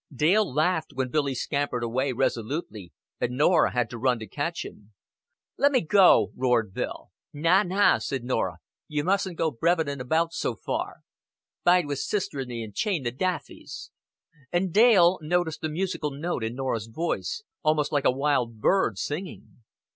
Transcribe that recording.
Dale laughed when Billy scampered away resolutely, and Norah had to run to catch him. "Le' me go," roared Bill. "Na, na," said Norah, "you mustn't go brevetin' about so far. Bide wi' sister and me, an' chain the daffies." And Dale noticed the musical note in Norah's voice, almost like a wild bird singing.